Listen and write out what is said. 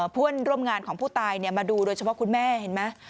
เพื่อนร่วมงานของผู้ตายมาดูโดยเฉพาะคุณแม่เห็นไหม